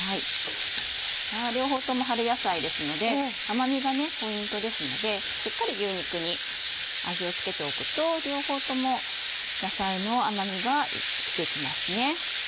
両方とも春野菜ですので甘みがポイントですのでしっかり牛肉に味を付けておくと両方とも野菜の甘みが生きてきますね。